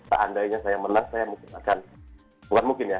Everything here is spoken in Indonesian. seandainya saya menang saya mungkin akan bukan mungkin ya